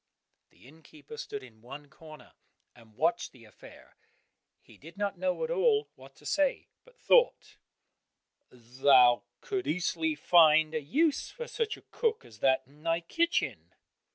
The innkeeper stood in one corner and watched the affair; he did not at all know what to say, but thought, "Thou couldst easily find a use for such a cook as that in thy kitchen."